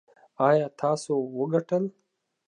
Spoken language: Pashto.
ایا تاسو وګټل؟